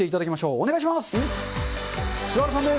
お願いします。